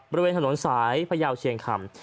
บริเวณถนนสายพยาวเชียงคำ